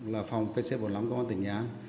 là phòng pc bốn mươi năm công an tỉnh nhán